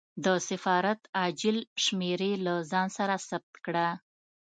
د سفارت عاجل شمېرې له ځان سره ثبت کړه.